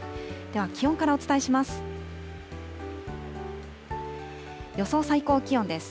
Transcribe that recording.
では、気温からお伝えします。